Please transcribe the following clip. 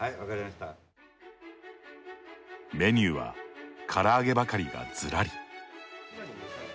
メニューはから揚げばかりがずらり。